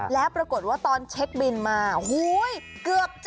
แล้วปรากฏว่าตอนเช็คบินมาเกือบ